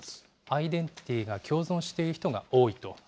アイデンティティが共存している人が多いと。